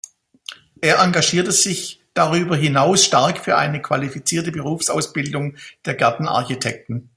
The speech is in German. Er engagierte sich darüber hinaus stark für eine qualifizierte Berufsausbildung der Gartenarchitekten.